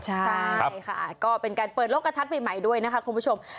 ใช่ค่ะก็เป็นการเปิดโลกกระทัดใหม่ด้วยนะคะคุณผู้ชม